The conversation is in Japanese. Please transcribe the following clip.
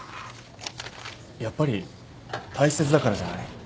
やっぱり大切だからじゃない？